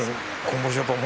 今場所